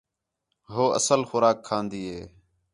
ہو اصل خوراک کھان٘دی ہِے